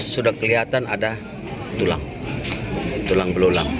sudah kelihatan ada tulang tulang belulang